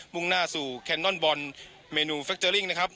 ่งหน้าสู่แคนนอนบอลเมนูเฟคเจอร์ริ่งนะครับ